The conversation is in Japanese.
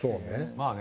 まあね。